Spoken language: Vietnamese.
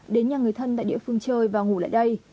đến nhà người thân tại địa phương chơi và ngủ lại đây